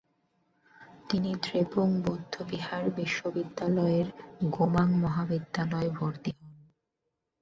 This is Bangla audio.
তিনি দ্রেপুং বৌদ্ধবিহার বিশ্ববিদ্যালয়ের গোমাং মহাবিদ্যালয়ে ভর্তি হন।